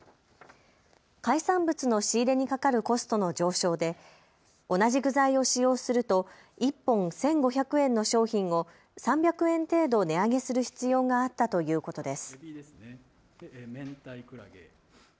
海産物の仕入れにかかるコストの上昇で同じ具材を使用すると１本１５００円の商品を３００円程度値上げする必要があったということです。